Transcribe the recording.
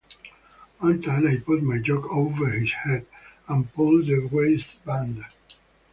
One time I put my jock over his head and pulled the waist band.